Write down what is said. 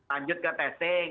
lanjut ke testing